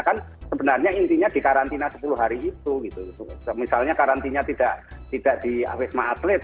kan sebenarnya intinya di karantina sepuluh hari itu gitu misalnya karantina tidak di wisma atlet